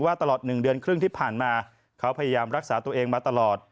ตลอด๑เดือนครึ่งที่ผ่านมาเขาพยายามรักษาตัวเองมาตลอด